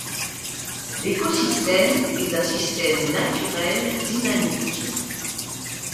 L'écosystème est un système naturel dynamique.